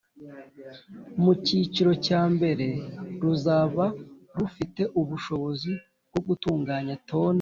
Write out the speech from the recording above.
Mu cyiciro cya mbere ruzaba rufite ubushobozi bwo gutunganya toni